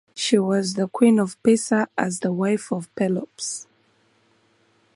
She was the queen of Pisa as the wife of Pelops.